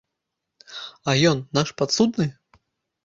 А ён, наш падсудны?